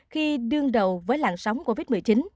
khi đương đầu với làn sóng covid một mươi chín